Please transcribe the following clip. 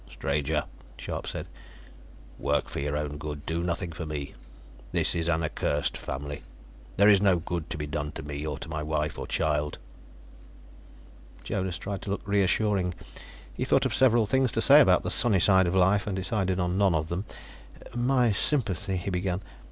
"Stranger," Scharpe said, "work for your own good; do nothing for me. This is an accursed family; there is no good to be done to me, or my wife or child." Jonas tried to look reassuring. He thought of several things to say about the sunny side of life, and decided on none or them. "My sympathy " he began.